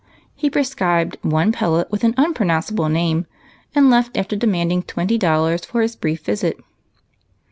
He prescribed one pellet with an unpronounceable name, and left after demanding twenty dollars for his brief visit.